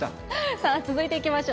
さあ、続いていきましょう。